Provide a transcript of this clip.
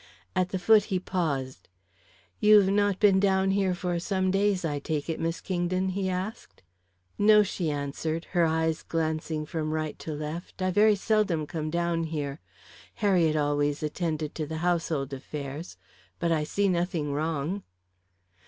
At the foot he paused. "You've not been down here for some days, I take it, Miss Kingdon?" he asked. "No," she answered, her eyes glancing from right to left. "I very seldom come down here. Harriet always attended to the household affairs. But I see nothing wrong."